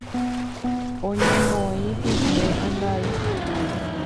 Oñemoĩ pype andai.